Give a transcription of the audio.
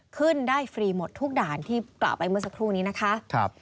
ขึ้นได้ฟรีหมดทุกด่านที่กล่าวไปเมื่อสักครู่นี้นะคะ